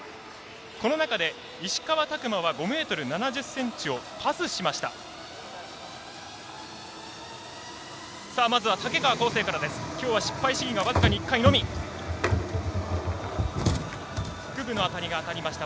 この中で石川拓磨は５ｍ７０ｃｍをパスしました。